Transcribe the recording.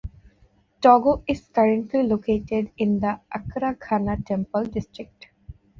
Togo is currently located in the Accra Ghana Temple district.